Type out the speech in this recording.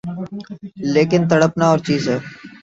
لیکن تڑپنا اورچیز ہے۔